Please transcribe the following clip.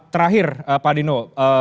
terakhir pak dino